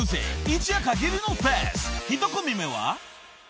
［１組目は］